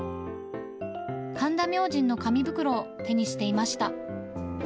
神田明神の紙袋を手にしていました。